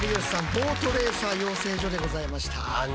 ボートレーサー養成所でございました。